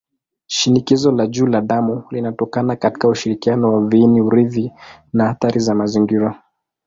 Shinikizo la juu la damu linatokana katika ushirikiano wa viini-urithi na athari za mazingira.